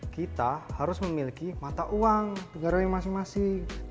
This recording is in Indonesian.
kita harus memiliki mata uang negara yang masing masing